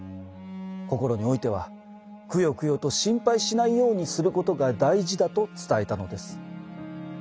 心においてはくよくよと心配しないようにすることが大事だと伝えたのです。